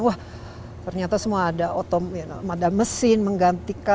wah ternyata semua ada otom ada mesin menggantikan